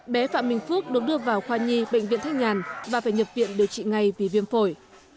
bé phạm minh phước được đưa vào khoa nhi bệnh viện thanh nhàn và phải nhập viện điều trị ngay vì viêm phổi